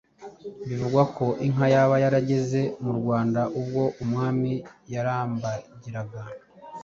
Bivigwa ko inka yaba yarageze mu Rwanda ubwo Umwami yarambagiraga